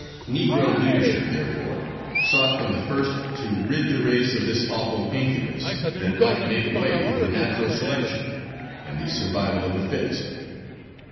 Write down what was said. Negro leadership, therefore, sought from the first to rid the race of this awful incubus that it might make way for natural selection and the survival of the fittest.